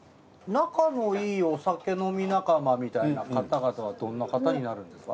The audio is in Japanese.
仲のいいお酒飲み仲間みたいな方々はどんな方になるんですか？